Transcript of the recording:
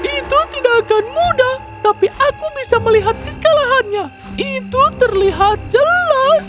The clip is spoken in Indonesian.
itu tidak akan mudah tapi aku bisa melihat kekalahannya itu terlihat jelas